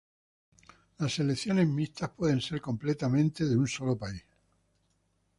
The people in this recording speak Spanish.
Las selecciones mixtas, pueden ser completamente de un solo país.